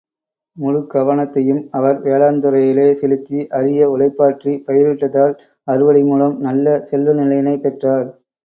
முழுக்கவனத்தையும் அவர் வேளாண்துறையிலே செலுத்தி, அரிய உழைப்பாற்றிப் பயிரிட்டதால், அறுவடை மூலம், நல்ல செல்வ நிலையினைப் பெற்றார்.